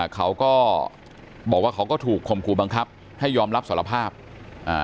เขาก็บอกว่าเขาก็ถูกข่มขู่บังคับให้ยอมรับสารภาพอ่า